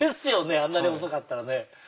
あんなに細かったら。